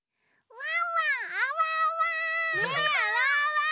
うわ